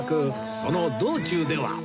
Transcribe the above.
その道中では